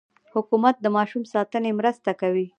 حکومت د ماشوم ساتنې مرسته کوي.